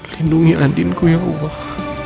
lindungi andinku ya allah